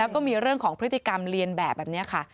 แล้วก็มีเรื่องของพฤติกรรมเรียนแบบแบบนี้ค่ะ